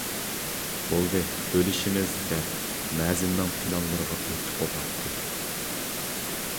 بولدى، بۆلۈشىمىز، دەپ مەزىننىڭ پىلانلىرىغا ئۆكتە قوپاتتى.